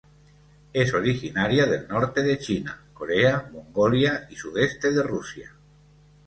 Es originaria del norte de China, Corea, Mongolia y sudeste de Rusia.